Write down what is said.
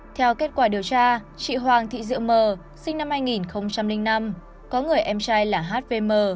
theo kết quả điều tra chị hoàng thị diệu mờ sinh năm hai nghìn năm có người em trai là hvm